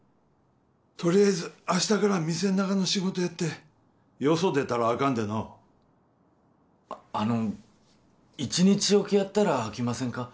とりあえず明日から店ん中の仕事やってよそ出たらアカンでのあの一日置きやったらあきませんか？